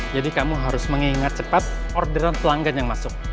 jadi kamu harus mengingat cepat orderan pelanggan yang masuk